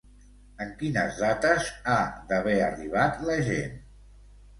En quines dates ha d'haver arribat la gent?